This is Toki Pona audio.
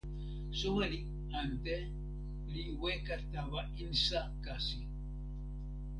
soweli ante li weka tawa insa kasi.